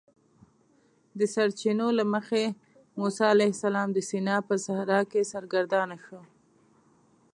د سرچینو له مخې موسی علیه السلام د سینا په صحرا کې سرګردانه شو.